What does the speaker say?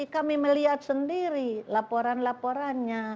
kami melihat sendiri laporan laporannya